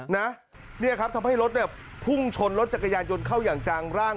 นี่ค่ะทำให้รถพุ่งชนรถจักรยานยนต์เข้าอย่างจางร่าง